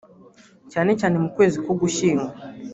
cyane cyane mu kwezi k’Ugushyingo